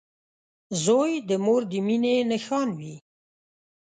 • زوی د مور د مینې نښان وي.